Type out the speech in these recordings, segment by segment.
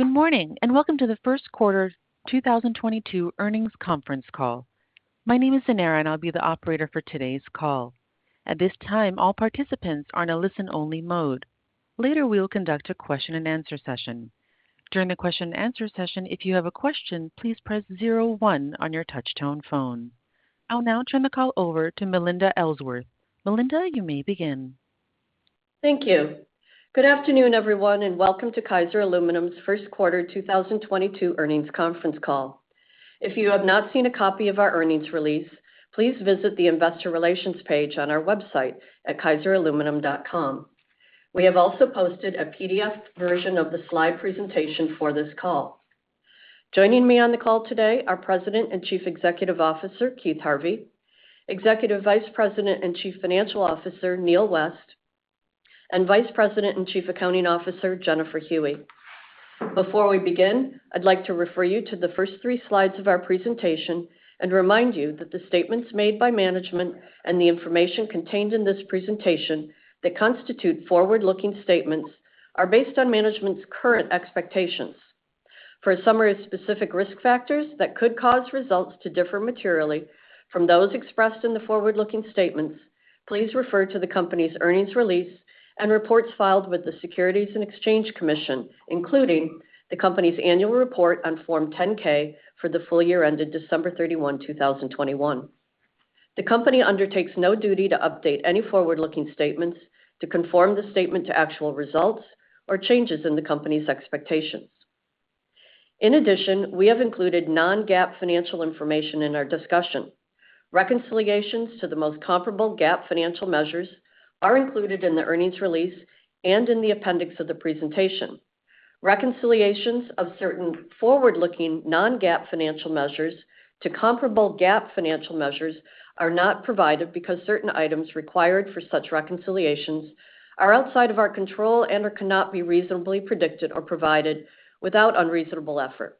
Good morning, and welcome to the first quarter 2022 earnings conference call. My name is Anara, and I'll be the operator for today's call. At this time, all participants are in a listen-only mode. Later, we will conduct a question-and-answer session. During the question-and-answer session, if you have a question, please press zero one on your touchtone phone. I'll now turn the call over to Melinda Ellsworth. Melinda, you may begin. Thank you. Good afternoon, everyone, and welcome to Kaiser Aluminum's first quarter 2022 earnings conference call. If you have not seen a copy of our earnings release, please visit the investor relations page on our website at kaiseraluminum.com. We have also posted a PDF version of the slide presentation for this call. Joining me on the call today are President and Chief Executive Officer, Keith Harvey, Executive Vice President and Chief Financial Officer, Neal West, and Vice President and Chief Accounting Officer, Jennifer Huey. Before we begin, I'd like to refer you to the first three slides of our presentation and remind you that the statements made by management and the information contained in this presentation that constitute forward-looking statements are based on management's current expectations. For a summary of specific risk factors that could cause results to differ materially from those expressed in the forward-looking statements, please refer to the company's earnings release and reports filed with the Securities and Exchange Commission, including the company's annual report on Form 10-K for the full year ended December 31, 2021. The company undertakes no duty to update any forward-looking statements to conform the statement to actual results or changes in the company's expectations. In addition, we have included non-GAAP financial information in our discussion. Reconciliations to the most comparable GAAP financial measures are included in the earnings release and in the appendix of the presentation. Reconciliations of certain forward-looking non-GAAP financial measures to comparable GAAP financial measures are not provided because certain items required for such reconciliations are outside of our control and/or cannot be reasonably predicted or provided without unreasonable effort.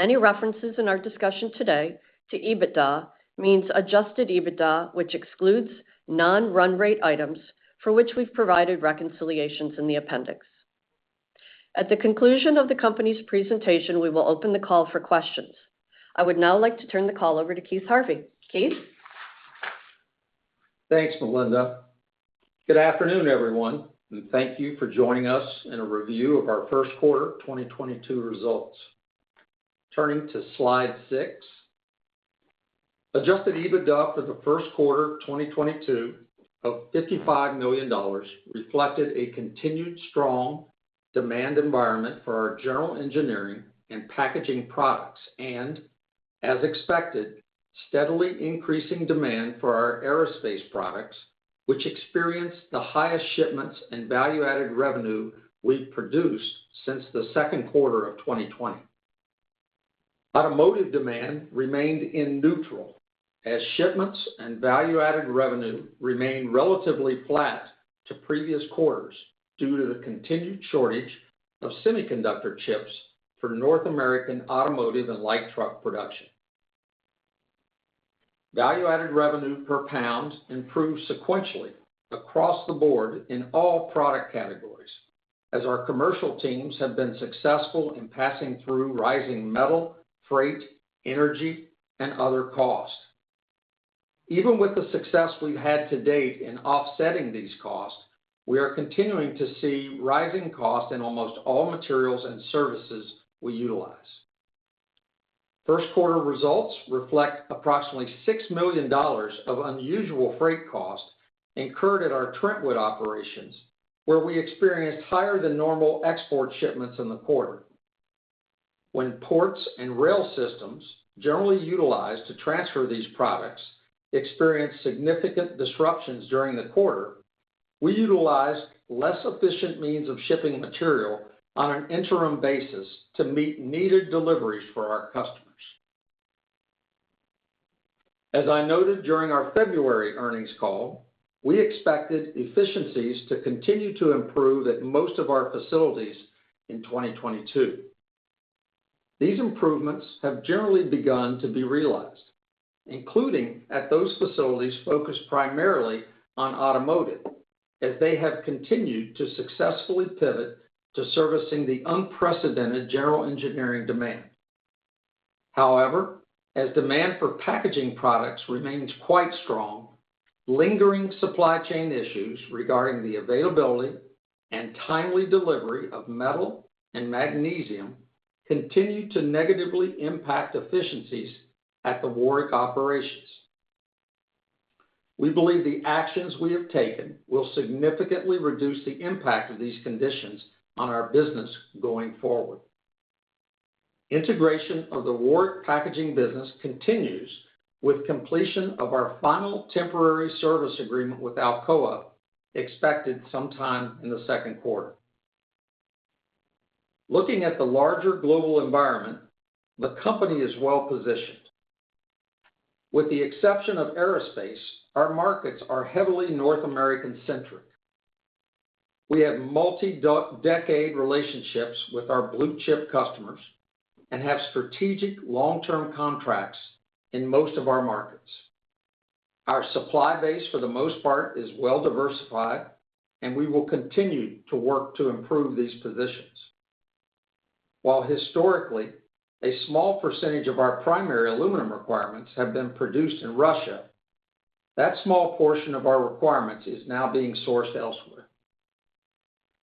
Any references in our discussion today to EBITDA means adjusted EBITDA, which excludes non-run rate items for which we've provided reconciliations in the appendix. At the conclusion of the company's presentation, we will open the call for questions. I would now like to turn the call over to Keith Harvey. Keith? Thanks, Melinda. Good afternoon, everyone, and thank you for joining us in a review of our first-quarter 2022 results. Turning to slide six, adjusted EBITDA for the first quarter 2022 of $55 million reflected a continued strong demand environment for our General Engineering and Packaging products and, as expected, steadily increasing demand for our Aerospace products, which experienced the highest shipments and value-added revenue we've produced since the second quarter of 2020. Automotive demand remained in neutral as shipments and value-added revenue remained relatively flat to previous quarters due to the continued shortage of semiconductor chips for North American Automotive and light truck production. Value-added revenue per pound improved sequentially across the board in all product categories as our commercial teams have been successful in passing through rising metal, freight, energy, and other costs. Even with the success we've had to date in offsetting these costs, we are continuing to see rising costs in almost all materials and services we utilize. First quarter results reflect approximately $6 million of unusual freight costs incurred at our Trentwood operations, where we experienced higher than normal export shipments in the quarter. When ports and rail systems generally utilized to transfer these products experienced significant disruptions during the quarter, we utilized less efficient means of shipping material on an interim basis to meet needed deliveries for our customers. As I noted during our February earnings call, we expected efficiencies to continue to improve at most of our facilities in 2022. These improvements have generally begun to be realized, including at those facilities focused primarily on Automotive, as they have continued to successfully pivot to servicing the unprecedented General Engineering demand. However, as demand for Packaging products remains quite strong, lingering supply chain issues regarding the availability and timely delivery of metal and magnesium continue to negatively impact efficiencies at the Warrick operations. We believe the actions we have taken will significantly reduce the impact of these conditions on our business going forward. Integration of the Warrick Packaging business continues with completion of our final temporary service agreement with Alcoa expected sometime in the second quarter. Looking at the larger global environment, the company is well-positioned. With the exception of Aerospace, our markets are heavily North American-centric. We have multi-decade relationships with our blue-chip customers and have strategic long-term contracts in most of our markets. Our supply base for the most part is well diversified, and we will continue to work to improve these positions. While historically, a small percentage of our primary aluminum requirements have been produced in Russia, that small portion of our requirements is now being sourced elsewhere.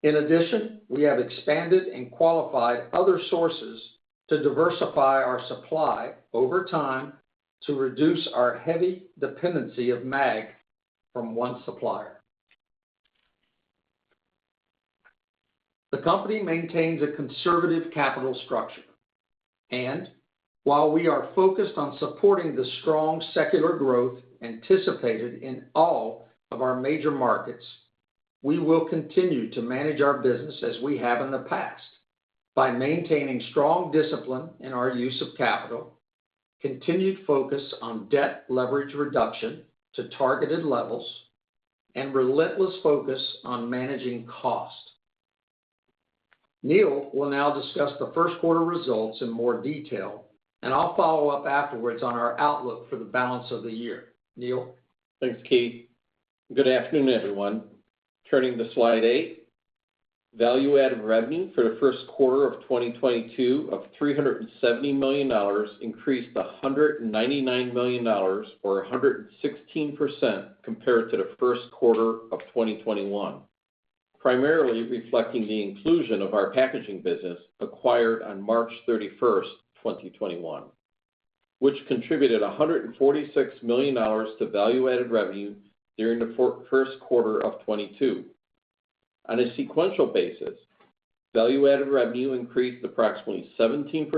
In addition, we have expanded and qualified other sources to diversify our supply over time to reduce our heavy dependency on magnesium from one supplier. The company maintains a conservative capital structure. While we are focused on supporting the strong secular growth anticipated in all of our major markets, we will continue to manage our business as we have in the past by maintaining strong discipline in our use of capital, continued focus on debt leverage reduction to targeted levels, and relentless focus on managing costs. Neal will now discuss the first quarter results in more detail, and I'll follow up afterwards on our outlook for the balance of the year. Neal. Thanks, Keith. Good afternoon, everyone. Turning to slide eight. Value-added revenue for the first quarter of 2022 of $370 million increased $199 million or 116% compared to the first quarter of 2021. Primarily reflecting the inclusion of our Packaging business acquired on March 31st, 2021, which contributed $146 million to value-added revenue during the first quarter of 2022. On a sequential basis, value-added revenue increased approximately 17%,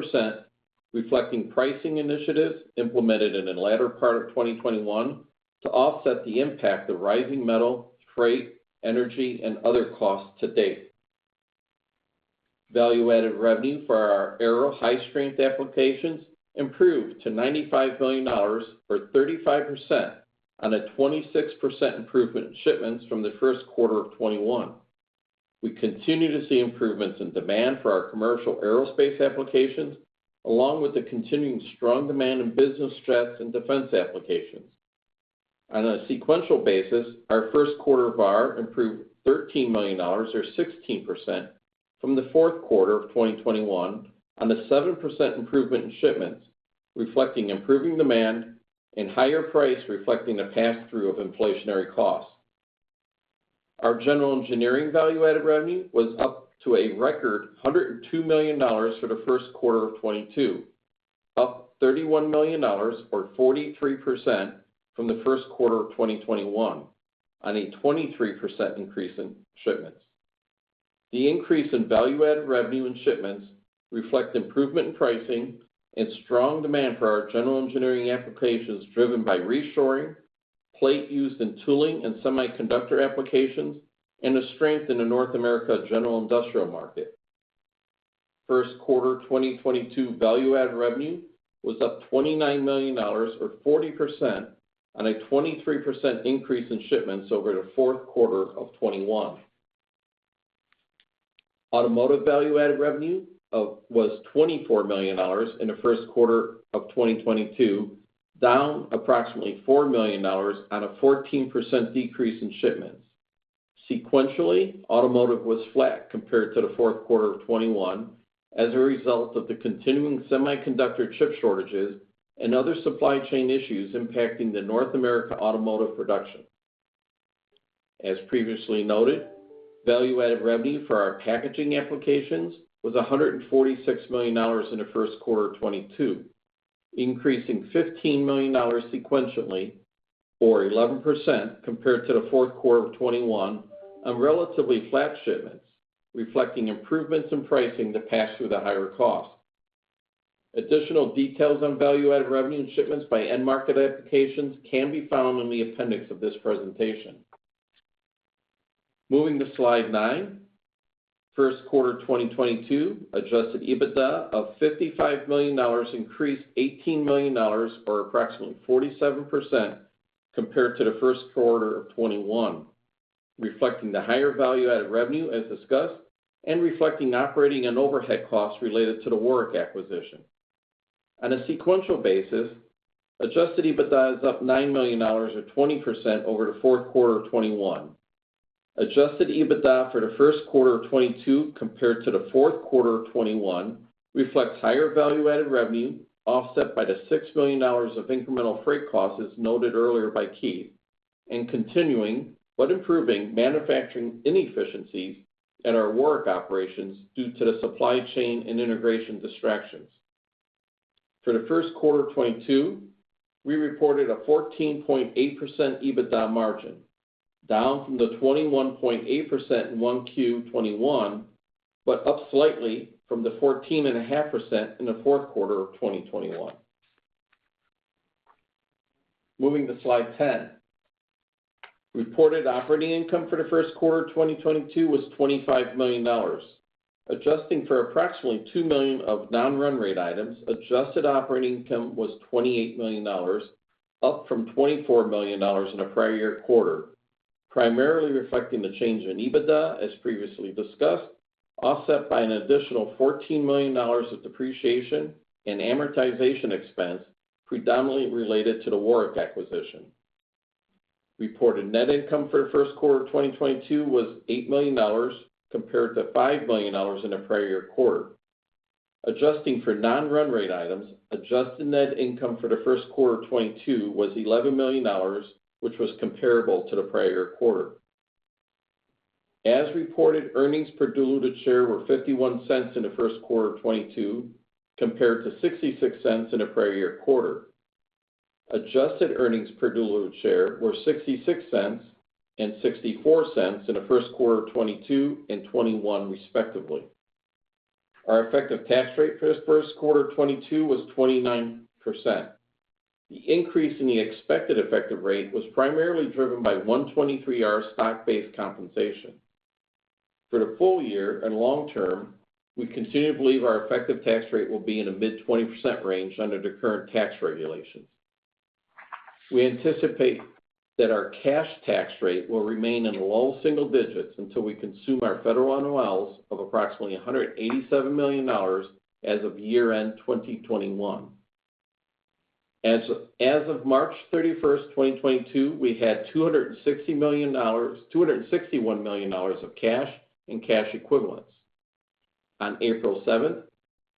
reflecting pricing initiatives implemented in the latter part of 2021 to offset the impact of rising metal, freight, energy, and other costs to date. Value-added revenue for our Aero high-strength applications improved to $95 million, or 35% on a 26% improvement in shipments from the first quarter of 2021. We continue to see improvements in demand for our commercial Aerospace applications, along with the continuing strong demand in business jets and defense applications. On a sequential basis, our first quarter VAR improved $13 million or 16% from the fourth quarter of 2021 on a 7% improvement in shipments, reflecting improving demand and higher price reflecting the pass-through of inflationary costs. Our General Engineering value-added revenue was up to a record $102 million for the first quarter of 2022, up $31 million or 43% from the first quarter of 2021 on a 23% increase in shipments. The increase in value-added revenue and shipments reflect improvement in pricing and strong demand for our General Engineering applications driven by reshoring, plate use in tooling and semiconductor applications, and a strength in the North American general industrial market. First quarter 2022 value-added revenue was up $29 million or 40% on a 23% increase in shipments over the fourth quarter of 2021. Automotive value-added revenue was $24 million in the first quarter of 2022, down approximately $4 million on a 14% decrease in shipments. Sequentially, Automotive was flat compared to the fourth quarter of 2021 as a result of the continuing semiconductor chip shortages and other supply chain issues impacting the North America Automotive production. As previously noted, value-added revenue for our Packaging applications was $146 million in the first quarter of 2022, increasing $15 million sequentially or 11% compared to the fourth quarter of 2021 on relatively flat shipments, reflecting improvements in pricing to pass through the higher cost. Additional details on value-added revenue and shipments by end market applications can be found in the appendix of this presentation. Moving to slide nine. First quarter 2022 adjusted EBITDA of $55 million increased $18 million or approximately 47% compared to the first quarter of 2021, reflecting the higher value-added revenue as discussed, and reflecting operating and overhead costs related to the Warrick acquisition. On a sequential basis, adjusted EBITDA is up $9 million or 20% over the fourth quarter of 2021. Adjusted EBITDA for the first quarter of 2022 compared to the fourth quarter of 2021 reflects higher value-added revenue, offset by the $6 million of incremental freight costs as noted earlier by Keith, and continuing but improving manufacturing inefficiencies at our Warrick operations due to the supply chain and integration distractions. For the first quarter of 2022, we reported a 14.8% EBITDA margin, down from the 21.8% in 1Q 2021, but up slightly from the 14.5% in the fourth quarter of 2021. Moving to slide 10. Reported operating income for the first quarter of 2022 was $25 million. Adjusting for approximately $2 million of non-run rate items, adjusted operating income was $28 million, up from $24 million in the prior year quarter. Primarily reflecting the change in EBITDA, as previously discussed, offset by an additional $14 million of depreciation and amortization expense predominantly related to the Warrick acquisition. Reported net income for the first quarter of 2022 was $8 million compared to $5 million in the prior year quarter. Adjusting for non-run rate items, adjusted net income for the first quarter of 2022 was $11 million which was comparable to the prior year quarter. As reported, earnings per diluted share were $0.51 in the first quarter of 2022 compared to $0.66 in the prior year quarter. Adjusted earnings per diluted share were $0.66 and $0.64 in the first quarter of 2022 and 2021 respectively. Our effective tax rate for this first quarter of 2022 was 29%. The increase in the expected effective rate was primarily driven by 123R stock-based compensation. For the full year and long term, we continue to believe our effective tax rate will be in the mid-20% range under the current tax regulations. We anticipate that our cash tax rate will remain in the low single digits until we consume our federal NOLs of approximately $187 million as of year-end 2021. As of March 31st, 2022, we had $261 million of cash and cash equivalents. On April 7,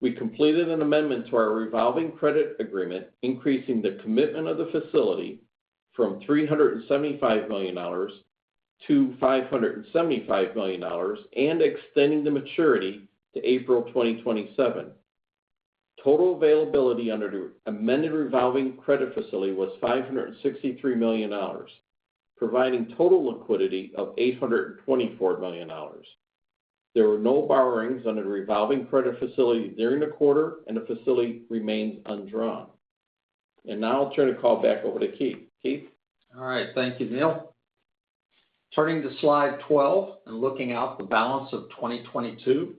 we completed an amendment to our revolving credit agreement, increasing the commitment of the facility from $375 million-$575 million and extending the maturity to April 2027. Total availability under the amended revolving credit facility was $563 million, providing total liquidity of $824 million. There were no borrowings under the revolving credit facility during the quarter, and the facility remains undrawn. Now I'll turn the call back over to Keith. Keith? All right. Thank you, Neal. Turning to slide 12 and looking to the balance of 2022.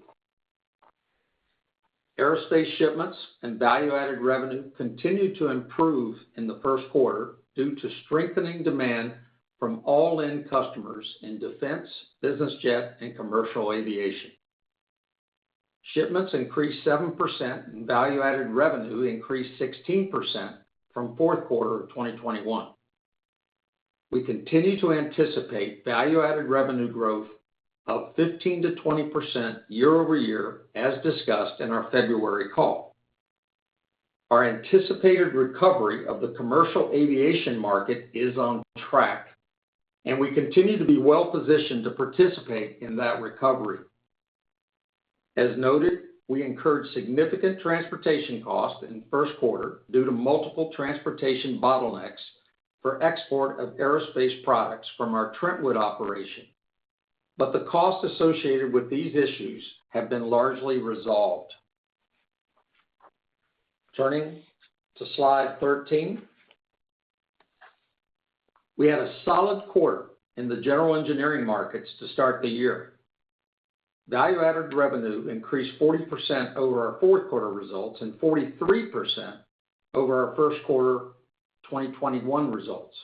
Aerospace shipments and value-added revenue continued to improve in the first quarter due to strengthening demand from all end customers in defense, business jet, and commercial aviation. Shipments increased 7% and value-added revenue increased 16% from fourth quarter of 2021. We continue to anticipate value-added revenue growth of 15%-20% year-over-year as discussed in our February call. Our anticipated recovery of the commercial aviation market is on track, and we continue to be well-positioned to participate in that recovery. As noted, we incurred significant transportation costs in the first quarter due to multiple transportation bottlenecks for export of Aerospace products from our Trentwood operation. The cost associated with these issues have been largely resolved. Turning to slide 13. We had a solid quarter in the General Engineering markets to start the year. Value-added revenue increased 40% over our fourth quarter results and 43% over our first quarter 2021 results,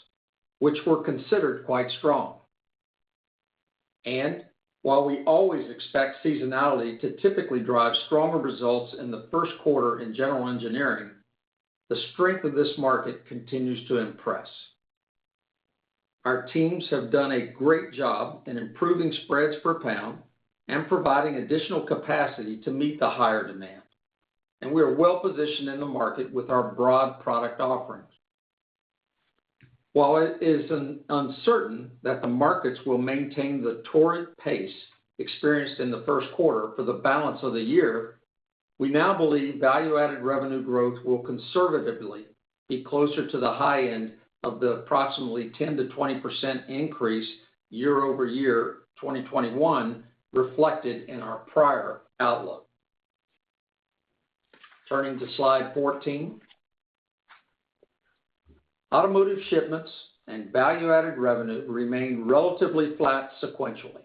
which were considered quite strong. While we always expect seasonality to typically drive stronger results in the first quarter in General Engineering, the strength of this market continues to impress. Our teams have done a great job in improving spreads per pound and providing additional capacity to meet the higher demand. We are well-positioned in the market with our broad product offerings. While it is uncertain that the markets will maintain the torrid pace experienced in the first quarter for the balance of the year, we now believe value-added revenue growth will conservatively be closer to the high end of the approximately 10%-20% increase year-over-year, 2021 reflected in our prior outlook. Turning to slide 14. Automotive shipments and value-added revenue remained relatively flat sequentially.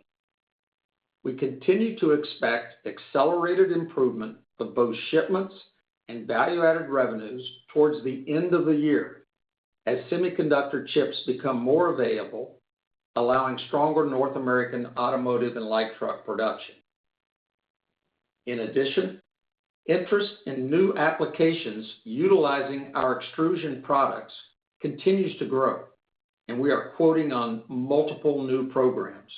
We continue to expect accelerated improvement of both shipments and value-added revenues towards the end of the year as semiconductor chips become more available, allowing stronger North American Automotive and light truck production. In addition, interest in new applications utilizing our extrusion products continues to grow, and we are quoting on multiple new programs.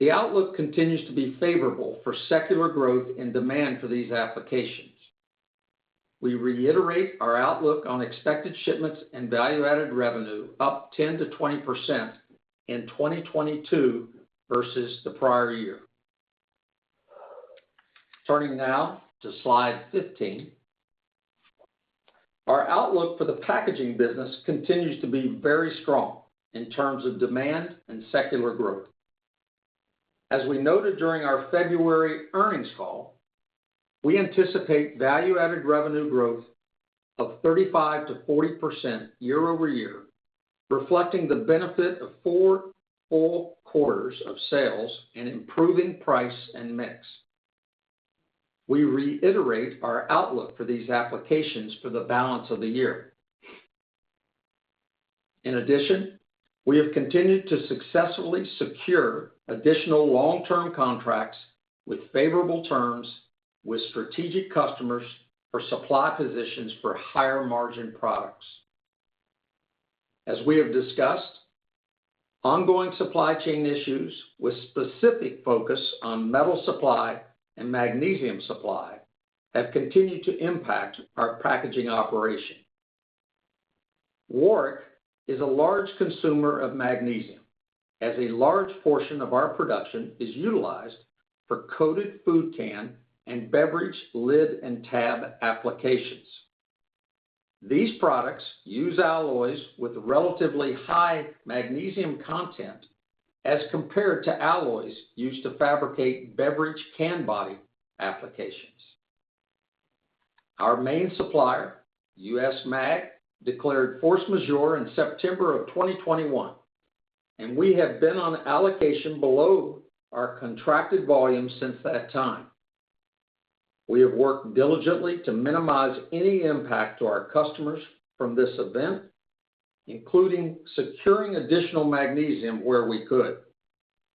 The outlook continues to be favorable for secular growth and demand for these applications. We reiterate our outlook on expected shipments and value-added revenue up 10%-20% in 2022 versus the prior year. Turning now to slide 15. Our outlook for the Packaging business continues to be very strong in terms of demand and secular growth. As we noted during our February earnings call, we anticipate value-added revenue growth of 35%-40% year-over-year, reflecting the benefit of four full quarters of sales and improving price and mix. We reiterate our outlook for these applications for the balance of the year. In addition, we have continued to successfully secure additional long-term contracts with favorable terms with strategic customers for supply positions for higher-margin products. As we have discussed, ongoing supply chain issues with specific focus on metal supply and magnesium supply have continued to impact our Packaging operation. Warrick is a large consumer of magnesium as a large portion of our production is utilized for coated food can and beverage lid and tab applications. These products use alloys with relatively high magnesium content as compared to alloys used to fabricate beverage can body applications. Our main supplier, US Mag, declared force majeure in September 2021, and we have been on allocation below our contracted volume since that time. We have worked diligently to minimize any impact to our customers from this event, including securing additional magnesium where we could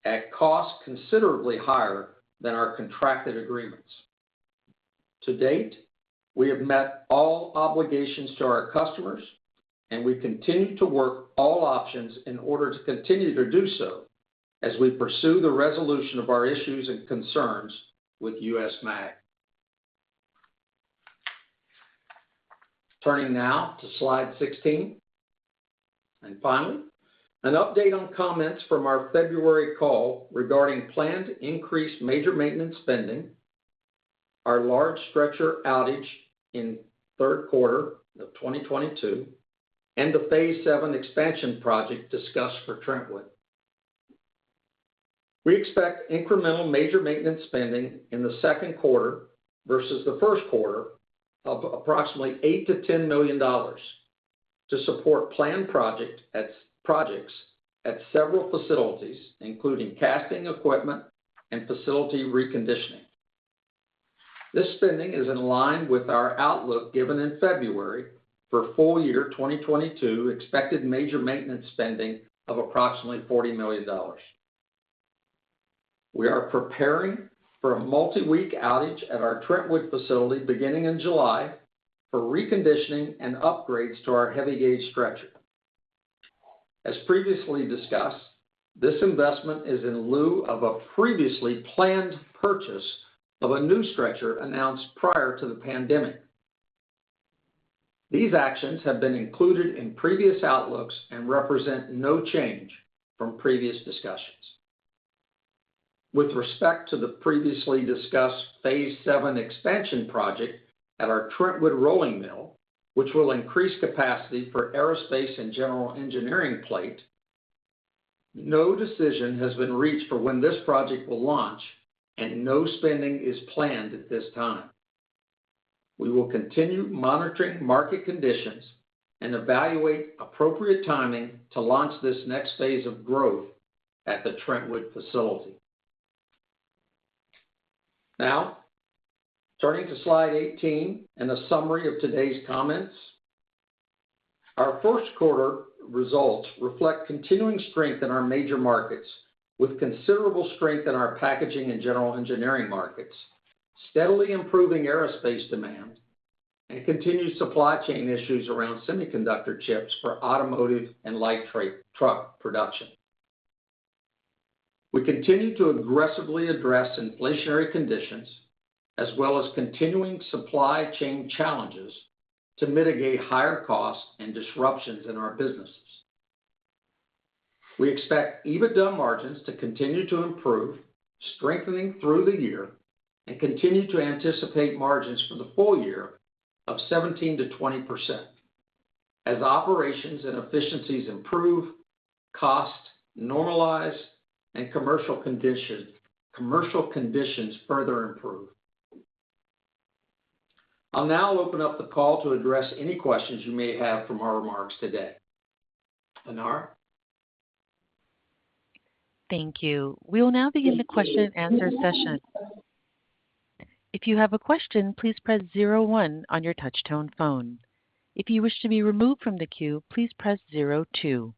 at costs considerably higher than our contracted agreements. To date, we have met all obligations to our customers, and we continue to work all options in order to continue to do so as we pursue the resolution of our issues and concerns with US Mag. Turning now to slide 16. Finally, an update on comments from our February call regarding planned increased major maintenance spending, our large stretcher outage in third quarter of 2022, and the Phase VII expansion project discussed for Trentwood. We expect incremental major maintenance spending in the second quarter versus the first quarter of approximately $8 million-$10 million to support planned projects at several facilities, including casting equipment and facility reconditioning. This spending is in line with our outlook given in February for full year 2022 expected major maintenance spending of approximately $40 million. We are preparing for a multiweek outage at our Trentwood facility beginning in July for reconditioning and upgrades to our heavy gauge stretcher. As previously discussed, this investment is in lieu of a previously planned purchase of a new stretcher announced prior to the pandemic. These actions have been included in previous outlooks and represent no change from previous discussions. With respect to the previously discussed Phase VII expansion project at our Trentwood rolling mill, which will increase capacity for Aerospace and General Engineering plate, no decision has been reached for when this project will launch, and no spending is planned at this time. We will continue monitoring market conditions and evaluate appropriate timing to launch this next phase of growth at the Trentwood facility. Now turning to slide 18 and a summary of today's comments. Our first quarter results reflect continuing strength in our major markets, with considerable strength in our Packaging and General Engineering markets, steadily improving Aerospace demand, and continued supply chain issues around semiconductor chips for Automotive and light freight truck production. We continue to aggressively address inflationary conditions as well as continuing supply chain challenges to mitigate higher costs and disruptions in our businesses. We expect EBITDA margins to continue to improve, strengthening through the year, and continue to anticipate margins for the full year of 17%-20% as operations and efficiencies improve, costs normalize, and commercial conditions further improve. I'll now open up the call to address any questions you may have from our remarks today. Anara? Thank you. We will now begin the question and answer session. If you have a question, please press zero one on your touchtone phone. If you wish to be removed from the queue, please press zero two.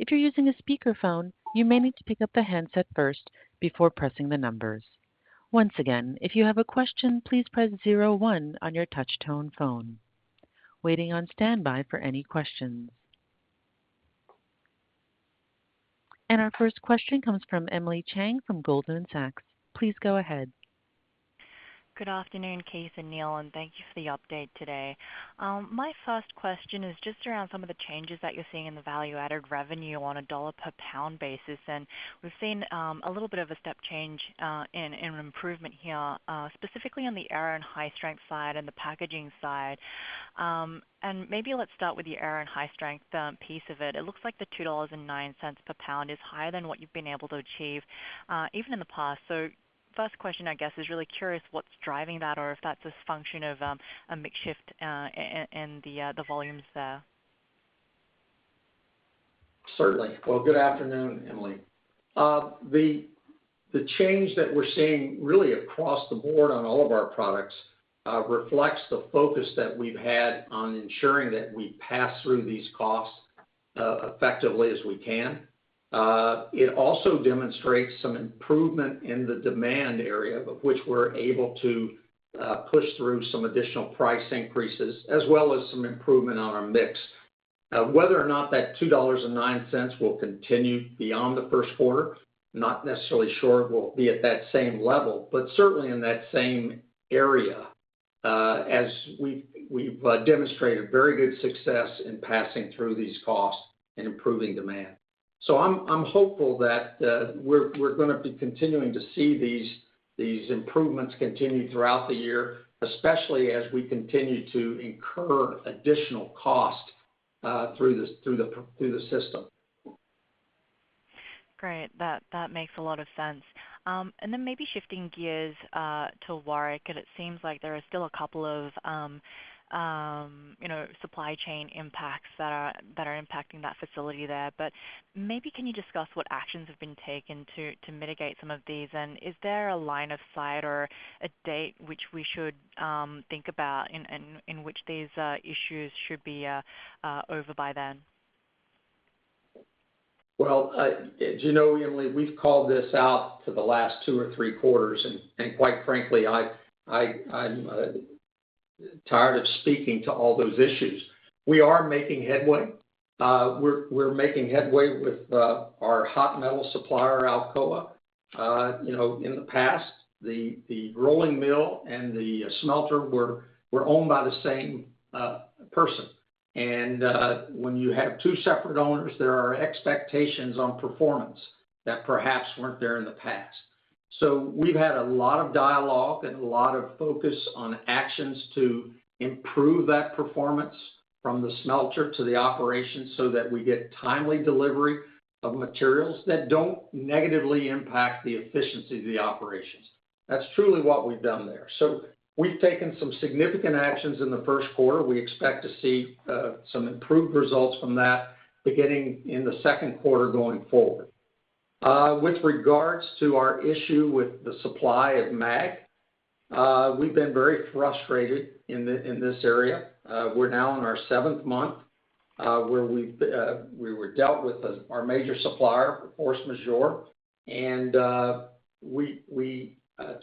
If you're using a speakerphone, you may need to pick up the handset first before pressing the numbers. Once again, if you have a question, please press zero one on your touchtone phone. Waiting on standby for any questions. Our first question comes from Emily Chieng from Goldman Sachs. Please go ahead. Good afternoon, Keith and Neal, and thank you for the update today. My first question is just around some of the changes that you're seeing in the value-added revenue on a dollar per pound basis. We've seen a little bit of a step change in improvement here, specifically on the Aero and High Strength side and the Packaging side. Maybe let's start with the Aero and High Strength piece of it. It looks like the $2.09 per pound is higher than what you've been able to achieve even in the past. First question, I guess, is really curious what's driving that or if that's a function of a mix shift in the volumes there? Certainly. Well, good afternoon, Emily. The change that we're seeing really across the board on all of our products reflects the focus that we've had on ensuring that we pass through these costs effectively as we can. It also demonstrates some improvement in the demand area, but which we're able to push through some additional price increases as well as some improvement on our mix. Whether or not that $2.09 will continue beyond the first quarter, not necessarily sure we'll be at that same level, but certainly in that same area, as we've demonstrated very good success in passing through these costs and improving demand. I'm hopeful that we're gonna be continuing to see these improvements continue throughout the year, especially as we continue to incur additional cost through the system. Great. That makes a lot of sense. Maybe shifting gears to Warrick, and it seems like there are still a couple of you know, supply chain impacts that are impacting that facility there, but maybe can you discuss what actions have been taken to mitigate some of these? Is there a line of sight or a date which we should think about in which these issues should be over by then? Well, as you know, Emily, we've called this out for the last two or three quarters, and quite frankly, I'm tired of speaking to all those issues. We are making headway. We're making headway with our hot metal supplier, Alcoa. You know, in the past, the rolling mill and the smelter were owned by the same person. When you have two separate owners, there are expectations on performance that perhaps weren't there in the past. We've had a lot of dialogue and a lot of focus on actions to improve that performance from the smelter to the operations so that we get timely delivery of materials that don't negatively impact the efficiency of the operations. That's truly what we've done there. We've taken some significant actions in the first quarter. We expect to see some improved results from that beginning in the second quarter going forward. With regards to our issue with the supply of mag, we've been very frustrated in this area. We're now in our seventh month where we were dealt with as our major supplier force majeure.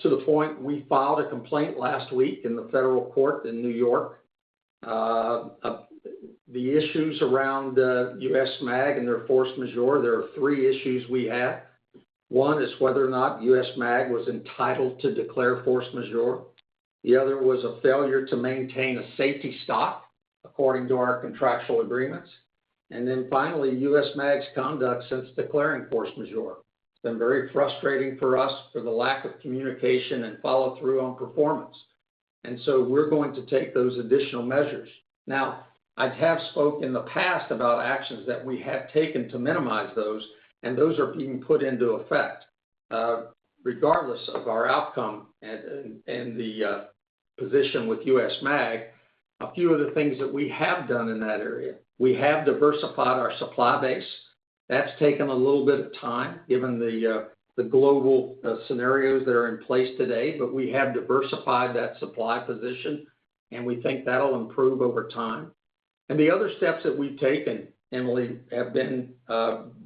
To the point, we filed a complaint last week in the federal court in New York. The issues around US Mag and their force majeure, there are three issues we have. One is whether or not US Mag was entitled to declare force majeure. The other was a failure to maintain a safety stock according to our contractual agreements. Finally, US Mag's conduct since declaring force majeure. It's been very frustrating for us for the lack of communication and follow-through on performance. We're going to take those additional measures. Now, I have spoke in the past about actions that we have taken to minimize those, and those are being put into effect. Regardless of our outcome and the position with US Mag, a few of the things that we have done in that area, we have diversified our supply base. That's taken a little bit of time given the global scenarios that are in place today, but we have diversified that supply position, and we think that'll improve over time. The other steps that we've taken, Emily, have been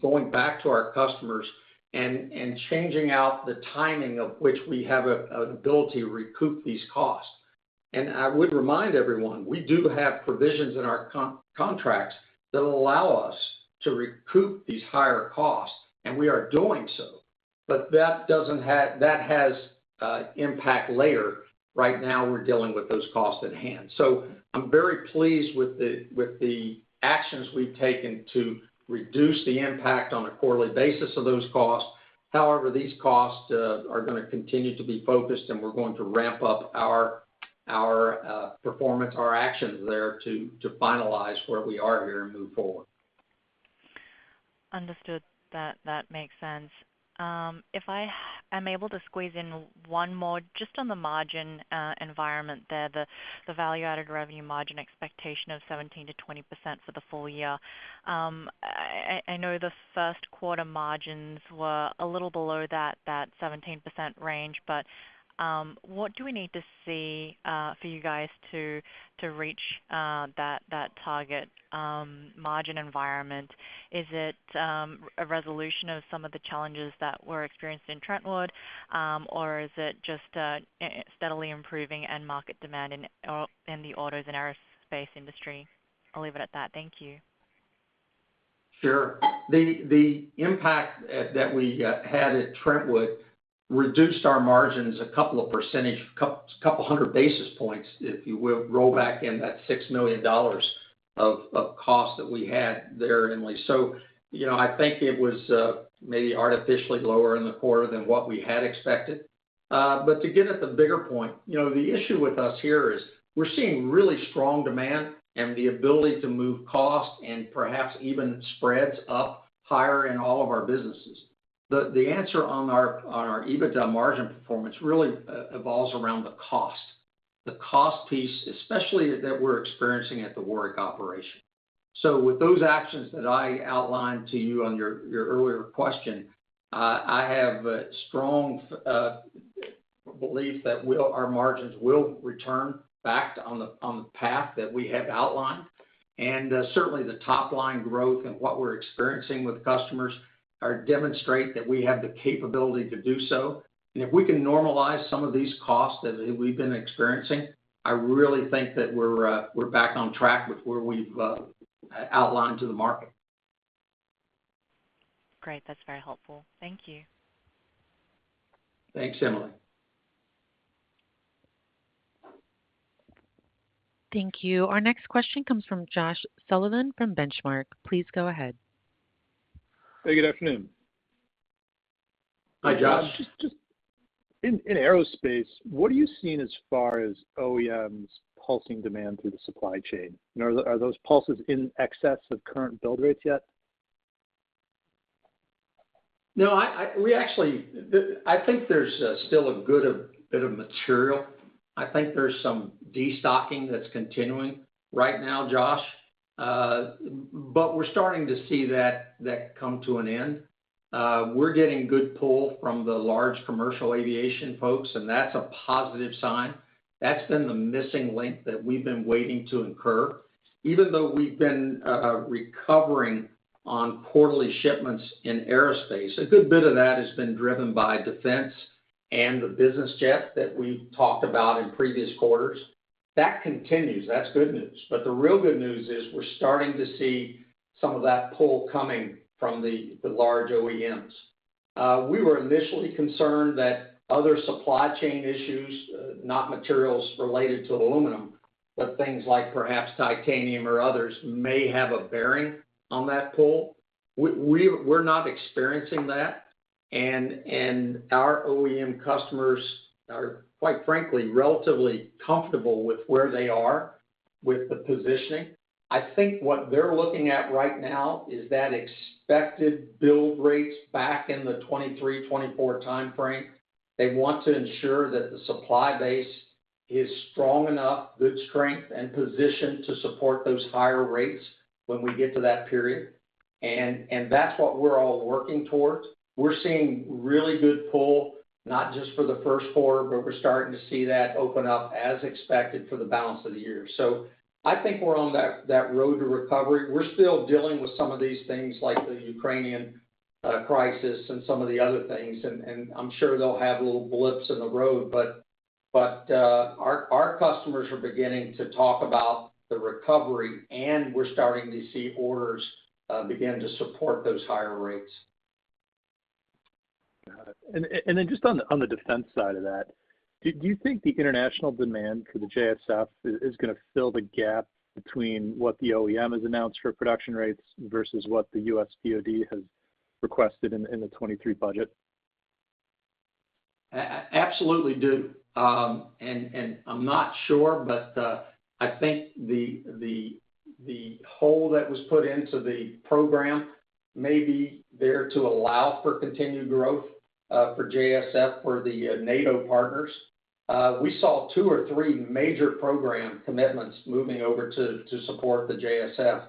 going back to our customers and changing out the timing of which we have an ability to recoup these costs. I would remind everyone, we do have provisions in our contracts that allow us to recoup these higher costs, and we are doing so. That has a impact later. Right now, we're dealing with those costs at hand. I'm very pleased with the actions we've taken to reduce the impact on a quarterly basis of those costs. However, these costs are gonna continue to be focused, and we're going to ramp up our performance, our actions there to finalize where we are here and move forward. Understood. That makes sense. If I am able to squeeze in one more just on the margin environment there, the value-added revenue margin expectation of 17%-20% for the full year. I know the first quarter margins were a little below that 17% range, but what do we need to see for you guys to reach that target margin environment? Is it a resolution of some of the challenges that were experienced in Trentwood? Or is it just steadily improving market demand in the Autos and Aerospace industry? I'll leave it at that. Thank you. Sure. The impact that we had at Trentwood reduced our margins a couple hundred basis points, if you will, roll back in that $6 million of cost that we had there, Emily. You know, I think it was maybe artificially lower in the quarter than what we had expected. To get at the bigger point, you know, the issue with us here is we're seeing really strong demand and the ability to move cost and perhaps even spreads up higher in all of our businesses. The answer on our EBITDA margin performance really evolves around the cost. The cost piece, especially that we're experiencing at the Warrick operation. With those actions that I outlined to you on your earlier question, I have a strong belief that our margins will return back on the path that we have outlined. Certainly the top-line growth and what we're experiencing with customers are demonstrate that we have the capability to do so. If we can normalize some of these costs that we've been experiencing, I really think that we're back on track with where we've outlined to the market. Great. That's very helpful. Thank you. Thanks, Emily. Thank you. Our next question comes from Josh Sullivan from Benchmark. Please go ahead. Hey, good afternoon. Hi, Josh. Just in Aerospace, what are you seeing as far as OEMs pulsing demand through the supply chain? You know, are those pulses in excess of current build rates yet? No, I think there's still a good bit of material. I think there's some destocking that's continuing right now, Josh. We're starting to see that come to an end. We're getting good pull from the large commercial aviation folks, and that's a positive sign. That's been the missing link that we've been waiting to occur. Even though we've been recovering on quarterly shipments in Aerospace, a good bit of that has been driven by defense and the business jet that we talked about in previous quarters. That continues. That's good news. The real good news is we're starting to see some of that pull coming from the large OEMs. We were initially concerned that other supply chain issues, not materials related to aluminum, but things like perhaps titanium or others may have a bearing on that pull. We're not experiencing that. Our OEM customers are, quite frankly, relatively comfortable with where they are with the positioning. I think what they're looking at right now is that expected build rates back in the 2023, 2024 timeframe. They want to ensure that the supply base is strong enough, good strength, and positioned to support those higher rates when we get to that period. That's what we're all working towards. We're seeing really good pull, not just for the first quarter, but we're starting to see that open up as expected for the balance of the year. I think we're on that road to recovery. We're still dealing with some of these things like the Ukrainian crisis and some of the other things, and I'm sure they'll have little blips in the road. Our customers are beginning to talk about the recovery, and we're starting to see orders begin to support those higher rates. Got it. Just on the defense side of that, do you think the international demand for the JSF is gonna fill the gap between what the OEM has announced for production rates versus what the U.S. DOD has requested in the 2023 budget? I absolutely do. I'm not sure, but I think the hole that was put into the program may be there to allow for continued growth for JSF for the NATO partners. We saw two or three major program commitments moving over to support the JSF.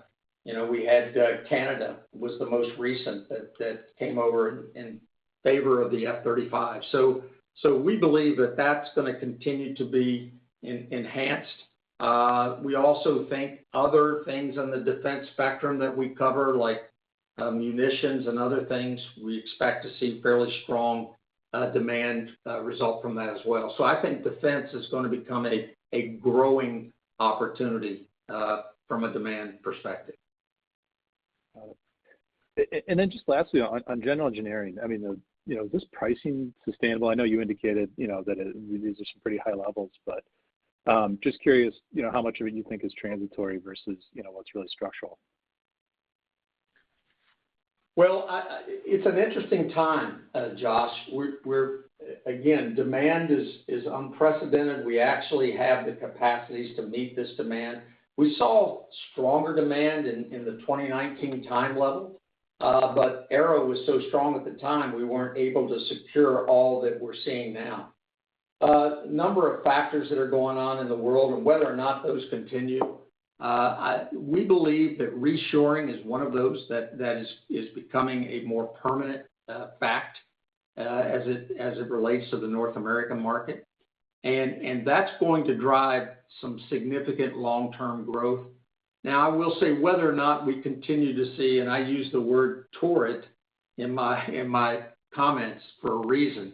We had Canada was the most recent that came over in favor of the F-35. We believe that that's gonna continue to be enhanced. We also think other things on the defense spectrum that we cover, like, munitions and other things, we expect to see fairly strong demand result from that as well. I think defense is gonna become a growing opportunity from a demand perspective. Got it. And then just lastly on General Engineering, I mean, you know, is this pricing sustainable. I know you indicated, you know, that these are some pretty high levels, but just curious, you know, how much of it you think is transitory versus, you know, what's really structural. Well, it's an interesting time, Josh. Again, demand is unprecedented. We actually have the capacities to meet this demand. We saw stronger demand in the 2019 time level, but Aero was so strong at the time, we weren't able to secure all that we're seeing now. A number of factors that are going on in the world and whether or not those continue, we believe that reshoring is one of those that is becoming a more permanent fact as it relates to the North America market. That's going to drive some significant long-term growth. Now I will say whether or not we continue to see, and I use the word torrid in my comments for a reason.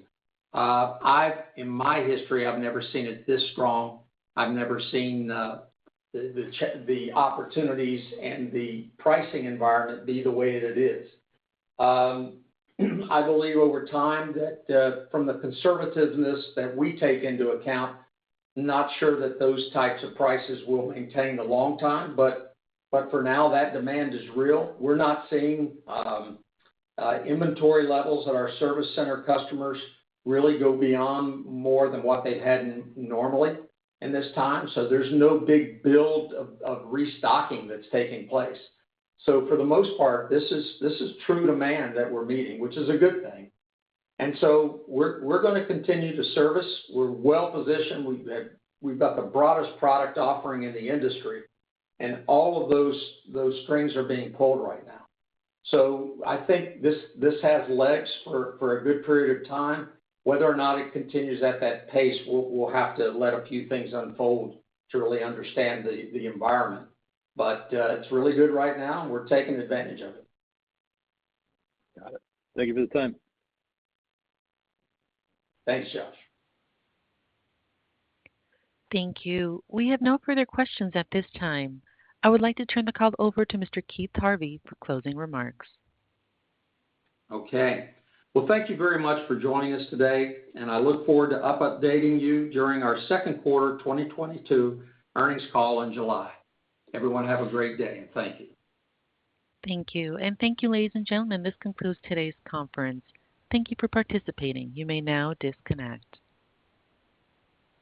In my history, I've never seen it this strong. I've never seen the opportunities and the pricing environment be the way that it is. I believe over time that, from the conservativeness that we take into account, not sure that those types of prices will maintain a long time, but for now, that demand is real. We're not seeing inventory levels at our service center customers really go beyond more than what they've had normally in this time. So there's no big build of restocking that's taking place. So for the most part, this is true demand that we're meeting, which is a good thing. We're gonna continue to service. We're well-positioned. We've got the broadest product offering in the industry, and all of those strings are being pulled right now. I think this has legs for a good period of time. Whether or not it continues at that pace, we'll have to let a few things unfold to really understand the environment. It's really good right now, and we're taking advantage of it. Got it. Thank you for the time. Thanks, Josh. Thank you. We have no further questions at this time. I would like to turn the call over to Mr. Keith Harvey for closing remarks. Okay. Well, thank you very much for joining us today, and I look forward to updating you during our second quarter 2022 earnings call in July. Everyone, have a great day, and thank you. Thank you. Thank you, ladies and gentlemen. This concludes today's conference. Thank you for participating. You may now disconnect.